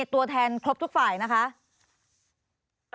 ตัวแทนครบทุกฝ่ายนะคะ